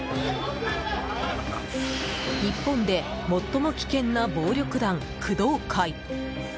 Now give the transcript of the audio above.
日本で最も危険な暴力団工藤会。